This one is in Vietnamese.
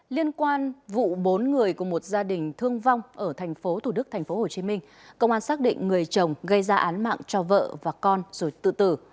liên quan vụ bốn người của một gia đình thương vong ở tp thcm công an xác định người chồng gây ra án mạng cho vợ và con rồi tự tử